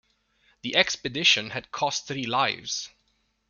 The expedition had cost three lives.